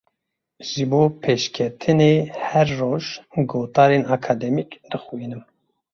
Ji bo pêşketinê her roj gotarên akademîk dixwînim.